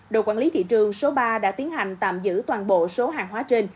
đội quản lý thị trường số ba đã tiến hành tạm giữ toàn bộ số hàng hóa trên